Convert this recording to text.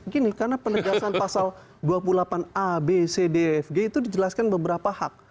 gini karena penegasan pasal dua puluh delapan a dua puluh delapan b dua puluh delapan c dua puluh delapan e dua puluh delapan g itu dijelaskan beberapa hak